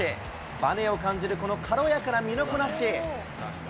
ばねを感じるこの軽やかな身のこなし。